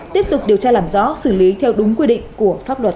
tiếp tục điều tra làm rõ xử lý theo đúng quy định của pháp luật